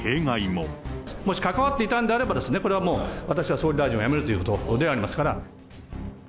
もし関わっていたんであれば、これはもう、私は総理大臣を辞めるということでありますから。